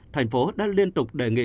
thành phố đã liên tục đề nghị